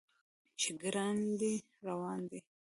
چې ګړندی روان دی.